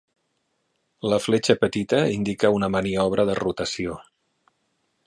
La fletxa petita indica una maniobra de rotació.